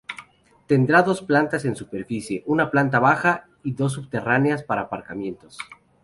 Tendrá dos plantas en superficie, una planta baja y dos subterráneas para aparcamientos.